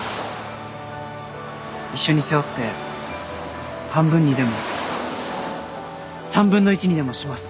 一緒に背負って半分にでも三分の一にでもします。